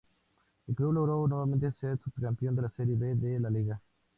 El club logró nuevamente ser subcampeón de la serie B de la liga.